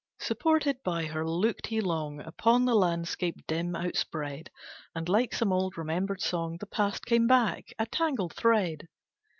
Supported by her, looked he long Upon the landscape dim outspread, And like some old remembered song The past came back, a tangled thread.